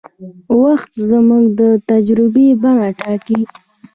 وخت زموږ د تجربې بڼه ټاکي.